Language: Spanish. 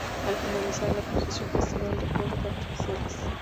Al finalizar la procesión Festival de Fuegos Artificiales.